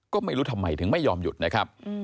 ก็ไม่รู้ทำไมถึงไม่ยอมหยุดนะครับ